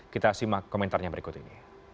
kita simak komentarnya berikut ini